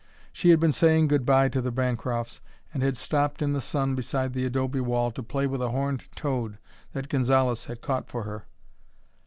She had been saying good bye to the Bancrofts and had stopped in the sun beside the adobe wall to play with a horned toad that Gonzalez had caught for her.